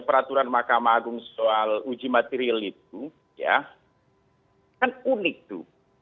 peraturan mahkamah agung soal uji material itu ya kan unik tuh